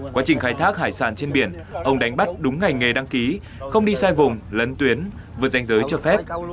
quá trình khai thác hải sản trên biển ông đánh bắt đúng ngành nghề đăng ký không đi sai vùng lấn tuyến vượt danh giới cho phép